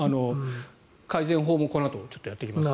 改善法もこのあとちょっとやっていきます。